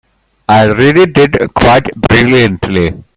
I really did it quite brilliantly.